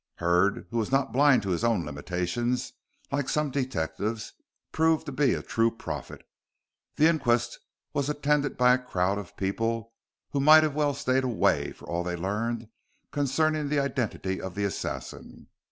Hurd, who was not blind to his own limitations like some detectives, proved to be a true prophet. The inquest was attended by a crowd of people, who might as well have stayed away for all they learned concerning the identity of the assassin.